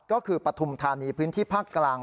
ก็คือปฐุมธานีพื้นที่ภาคกลาง